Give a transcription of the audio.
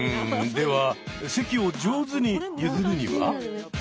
では席を上手に譲るには？